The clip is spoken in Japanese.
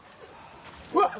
うわっ！